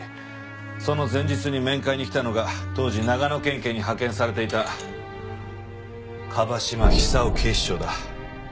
その前日に面会に来たのが当時長野県警に派遣されていた椛島寿夫警視長だ。